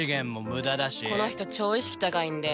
この人超意識高いんで。